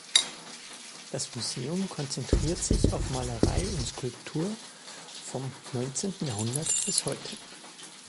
Das Museum konzentriert sich auf Malerei und Skulptur vom neunzehnten Jahrhundert bis heute.